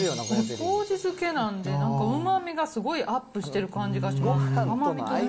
こうじ漬けなんで、なんかうまみがすごいアップしてる感じがします。